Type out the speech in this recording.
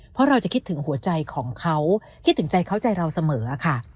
เพราะเราจะคิดถึงหัวใจของเขาคิดถึงใจเขาใจเราเสมอค่ะ